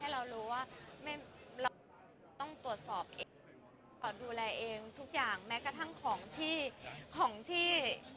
เรารู้ว่าเราต้องตรวจสอบเองดูแลเองทุกอย่างแม้กระทั่งของที่ของที่